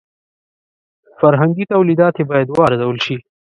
فرهنګي تولیدات یې باید وارزول شي.